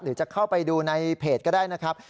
จะเข้าไปดูในเพจก็ได้นะครับ